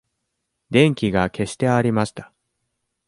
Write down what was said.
電気が消してありました。